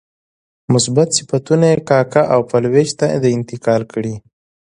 مثبت صفتونه یې کاکه او پایلوچ ته انتقال کړي.